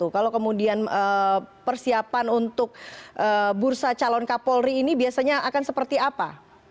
kalau kemudian persiapan untuk bursa calon kapolri ini biasanya akan seperti apa